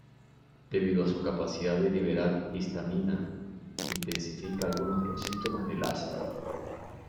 Debido a su capacidad de liberar histamina intensifica algunos de los síntomas del asma.